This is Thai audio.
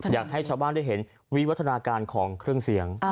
อยากให้ชาวบ้านได้เห็นวิวัฒนาการของเครื่องเสียง